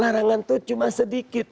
larangan itu cuma sedikit